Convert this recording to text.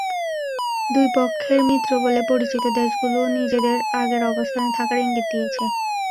দুই পক্ষের মিত্র বলে পরিচিত দেশগুলোও নিজেদের আগের অবস্থানে থাকার ইঙ্গিত দিয়েছে।